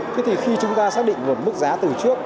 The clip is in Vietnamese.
thế thì khi chúng ta xác định được mức giá từ trước